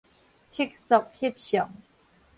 測速翕相